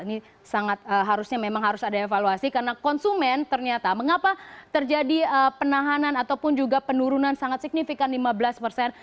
ini sangat harusnya memang harus ada evaluasi karena konsumen ternyata mengapa terjadi penahanan ataupun juga penurunan sangat signifikan lima belas persen